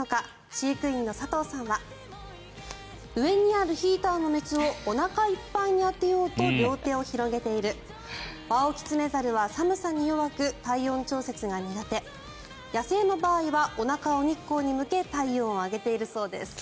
飼育員の佐藤さんは上にあるヒーターの熱をおなかいっぱいに当てようと両手を広げているワオキツネザルは寒さに弱く体温調節が苦手野生の場合はおなかを日光に向け体温を上げているそうです。